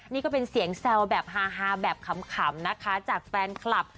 นี่ก็เป็นเสียงแซวแบบฮาแบบขำนะคะจากแฟนคลับ